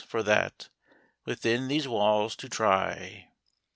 for that Within these walls to try.